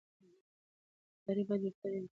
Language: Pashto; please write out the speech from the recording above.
ادارې باید بې پرې وي